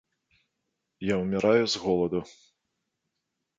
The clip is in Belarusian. Я ўміраю з голаду.